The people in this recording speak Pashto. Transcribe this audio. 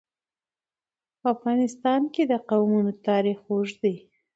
په افغانستان کې د قومونه تاریخ اوږد دی.